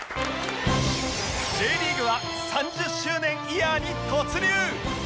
Ｊ リーグは３０周年イヤーに突入！